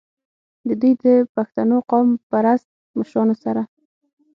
د دوي د پښتنو قام پرست مشرانو سره